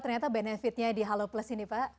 ternyata benefit nya di halo plus ini pak